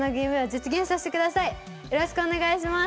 よろしくお願いします。